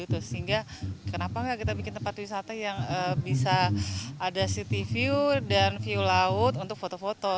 sehingga kenapa nggak kita bikin tempat wisata yang bisa ada city view dan view laut untuk foto foto